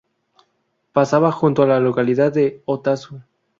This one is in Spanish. Pasaba junto a la localidad de Otazu.